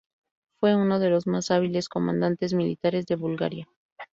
Fue uno de los más hábiles comandantes militares de Bulgaria.